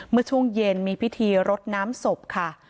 เมื่อช่วงเย็นมีพิธีรดน้ำศพค่ะ